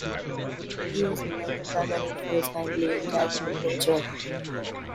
He was beloved by many for his kindly and charitable nature.